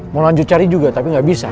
mau lanjut cari juga tapi nggak bisa